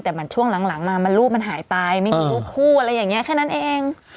แต่เหมือนช่วงหลังมารูปมันหายไปไม่มีรูปคู่อะไรอย่างนี้แค่นั้นเอง